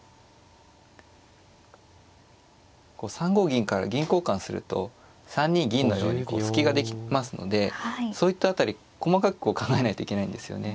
銀から銀交換すると３二銀のように隙ができますのでそういった辺り細かく考えないといけないんですよね。